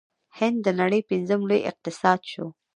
هند د نړۍ پنځم لوی اقتصاد شو.